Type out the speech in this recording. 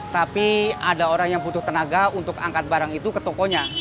tapi ada orang yang butuh tenaga untuk angkat barang itu ke tokonya